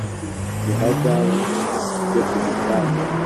ni ihazabu yo ku gitanda